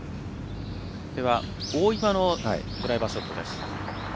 大岩のドライバーショットです。